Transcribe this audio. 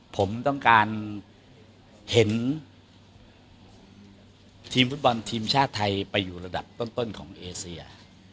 ผมต้องการเห็นทีมฟุตบอลทีมชาติไทยไปอยู่ระดับต้นของเอเซีย